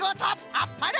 あっぱれ！